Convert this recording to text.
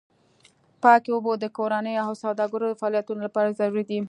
پاکې اوبه د کورنیو او سوداګریزو فعالیتونو لپاره ضروري دي.